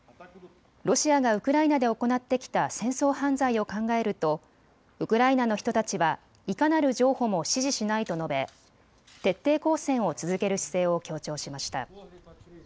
ロシアがウクライナで行ってきた戦争犯罪を考えるとウクライナの人たちはいかなる譲歩も支持しないと述べ徹底抗戦を続ける姿勢を強調しました。